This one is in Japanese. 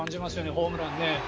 ホームランね。